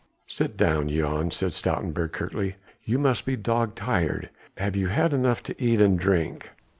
"Sit down, Jan," said Stoutenburg curtly, "you must be dog tired. Have you had enough to eat and drink?"